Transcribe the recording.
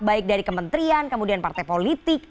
baik dari kementerian kemudian partai politik